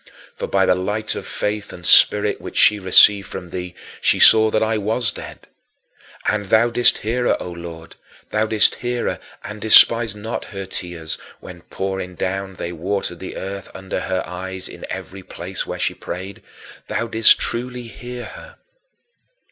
For by the light of the faith and spirit which she received from thee, she saw that I was dead. And thou didst hear her, O Lord, thou didst hear her and despised not her tears when, pouring down, they watered the earth under her eyes in every place where she prayed. Thou didst truly hear her.